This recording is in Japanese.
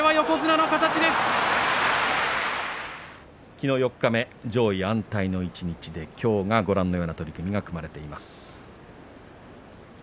きのう四日目上位安泰の一日で、きょうはご覧のような取組が組まれています。